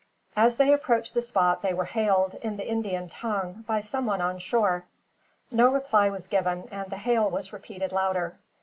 As they approached the spot they were hailed, in the Indian tongue, by someone on shore. No reply was given, and the hail was repeated louder.